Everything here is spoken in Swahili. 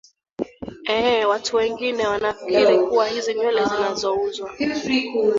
ee watu wengine wanafikiri kuwa hizi nywele zinazouzwa